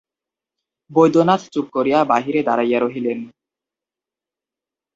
বৈদ্যনাথ চুপ করিয়া বাহিরে দাঁড়াইয়া রহিলেন।